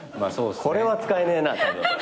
これは使えねえなたぶん。